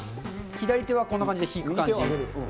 左手はこんな感じで引く感じ。